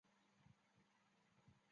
后为兵部主事加四级特授中宪大夫。